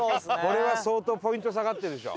これは相当ポイント下がってるでしょ。